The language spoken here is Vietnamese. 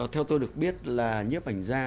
theo tôi được biết là nhếp ảnh ra